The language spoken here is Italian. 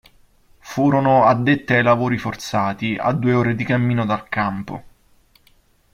Furono addette ai lavori forzati, a due ore di cammino dal campo.